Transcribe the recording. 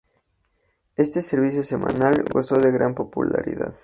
Este servicio semanal gozó de gran popularidad.